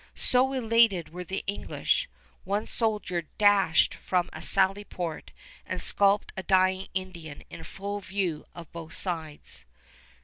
So elated were the English, one soldier dashed from a sally port and scalped a dying Indian in full view of both sides.